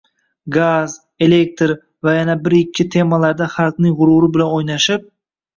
Gaz, elektr va yana bir-ikki temalarda xalqning g‘ururi bilan o‘ynashib